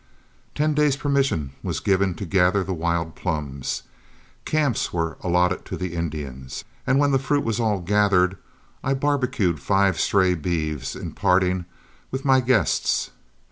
Ten days' permission was given to gather the wild plums, camps were allotted to the Indians, and when the fruit was all gathered, I barbecued five stray beeves in parting with my guests.